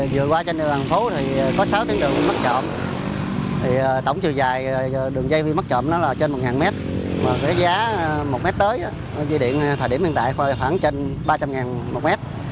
dây điện thời điểm hiện tại khoảng trên ba trăm linh ngàn một mét